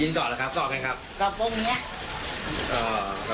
ยืนกรอกหรือครับกรอกไงครับ